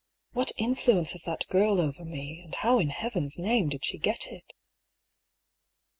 " What influence has that girl over me, and how in Heaven's name did she get it ?